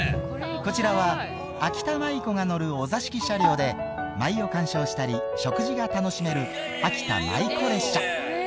こちらは秋田舞妓が乗るお座敷車両で、舞を鑑賞したり、食事が楽しめるあきた舞妓列車。